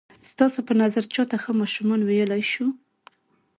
ستاسو په نظر چاته ښه ماشومان ویلای شو؟